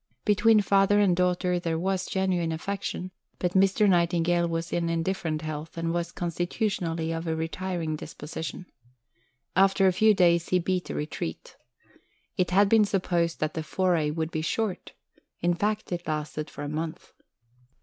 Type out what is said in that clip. Between father and daughter there was genuine affection; but Mr. Nightingale was in indifferent health, and was constitutionally of a retiring disposition. After a few days he beat a retreat. It had been supposed that the "foray" would be short. In fact it lasted for a month.